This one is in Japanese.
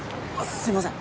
すいません